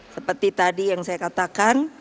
seperti tadi yang saya katakan